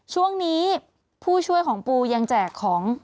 ช่วงนี้ผู้ช่วยของปูยังแจกของ